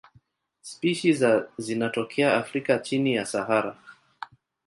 Spishi za zinatokea Afrika chini ya Sahara.